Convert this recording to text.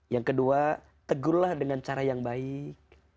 yang kedua tegurlah dengan cara yang baik